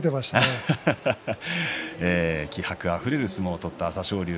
気迫あふれる相撲を取った朝青龍